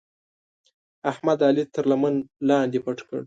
احمد؛ علي تر لمن لاندې پټ کړ.